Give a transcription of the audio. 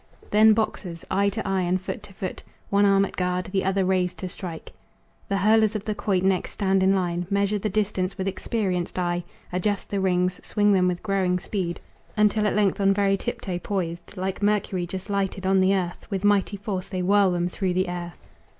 Then boxers, eye to eye and foot to foot, One arm at guard, the other raised to strike. The hurlers of the quoit next stand in line, Measure the distance with experienced eye, Adjust the rings, swing them with growing speed, Until at length on very tiptoe poised, Like Mercury just lighted on the earth, With mighty force they whirl them through the air.